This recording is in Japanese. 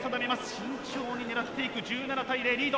慎重に狙っていく１７対０リード。